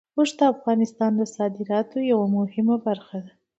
اوښ د افغانستان د صادراتو یوه مهمه برخه ده.